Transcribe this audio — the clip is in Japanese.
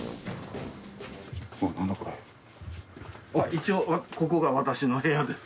一応ここが私の部屋です。